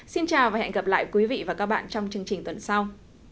xin chào và hẹn gặp lại quý vị và các bạn trong chương trình tuần sau